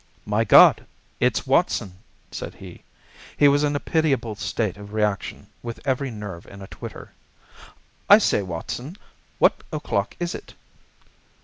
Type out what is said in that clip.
"My God! It's Watson," said he. He was in a pitiable state of reaction, with every nerve in a twitter. "I say, Watson, what o'clock is it?"